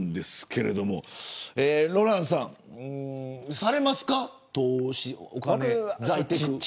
ロランさん、されますか投資、お金、財テク。